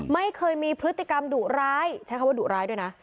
ไม่เคยมีพฤติกรรมดุร้ายใช้คำว่าดุร้ายด้วยนะ